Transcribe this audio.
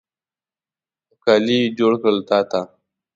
خو، کالي مې جوړ کړل تا ته